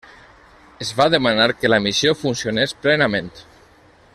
Es va demanar que la missió funcionés plenament.